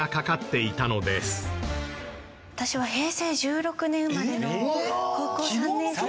私は平成１６年生まれの高校３年生。